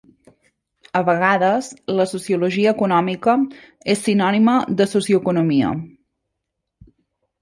A vegades la sociologia econòmica és sinònima de socioeconomia.